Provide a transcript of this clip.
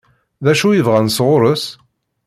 D acu i bɣan sɣur-s?